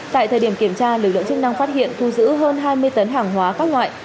tại thời điểm kiểm tra lực lượng chức năng phát hiện thu giữ hơn hai mươi tấn hàng hóa các loại